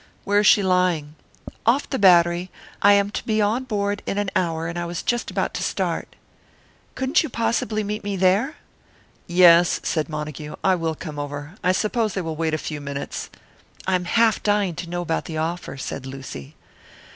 "Where is she lying?" "Off the Battery. I am to be on board in an hour, and I was just about to start. Couldn't you possibly meet me there?" "Yes," said Montague. "I will come over. I suppose they will wait a few minutes." "I am half dying to know about the offer," said Lucy.